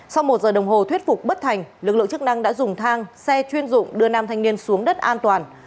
sau một giờ đồng hồ thuyết phục bất thành lực lượng chức năng đã dùng thang xe chuyên dụng đưa nam thanh niên xuống đất an toàn